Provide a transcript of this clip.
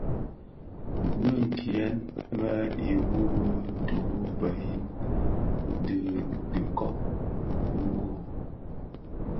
Bi kinyèn-më iru bi duru beyin di dhikob wuō,